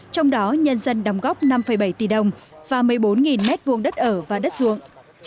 trong đó nhân dân đóng góp năm bảy tỷ đồng và một mươi bốn m hai đất ở và đất ruộng